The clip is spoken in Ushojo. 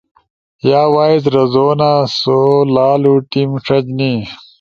یا وائس رزونا سو لالو ٹیم ݜجنی۔